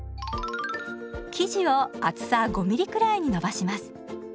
生地を厚さ５ミリくらいに伸ばします。